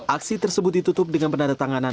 aksi tersebut ditutup dengan penandatanganan